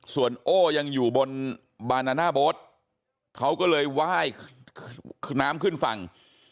ส่วนโอ้ยังอยู่บนบานาน่าโบ๊ทเขาก็เลยไหว้น้ำขึ้นฝั่ง